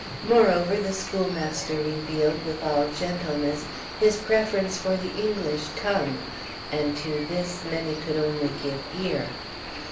Moreover, the schoolmaster revealed, with all gentleness, his preference for the English tongue, and to this many could only give ear.